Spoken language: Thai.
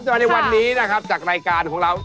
มาในวันนี้นะครับจากรายการของเรา